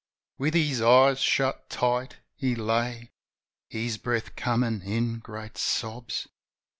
With his eyes shut tight he lay. His breath comin' in great sobs.